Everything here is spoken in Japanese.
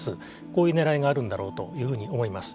こういうねらいがあるんだろうというふうに思います。